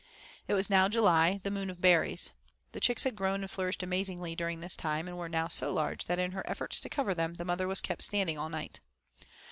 It was now July, the Moon of Berries. The chicks had grown and flourished amazingly during this last month, and were now so large that in her efforts to cover them the mother was kept standing all night.